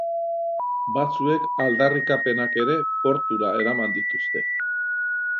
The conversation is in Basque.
Batzuek aldarrikapenak ere portura eraman dituzte.